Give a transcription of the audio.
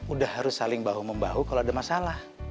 udah harus saling bahu membahu kalau ada masalah